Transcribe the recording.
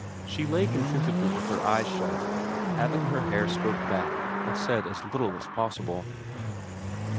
She lay contentedly with her eyes shut, having her hair stroked back, and said as little as possible.